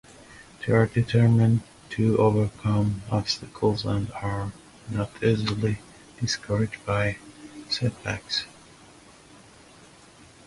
They are determined to overcome obstacles and are not easily discouraged by setbacks.